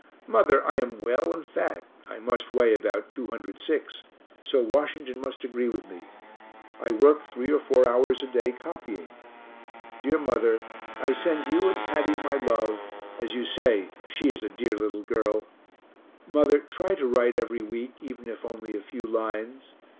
Mother, I am well and fat (I must weigh about 206), so Washington must agree with me. I work three or four hours a day copying. Dear mother, I send you and Hattie my love, as you say she is a dear little girl. Mother, try to write every week, even if only a few lines.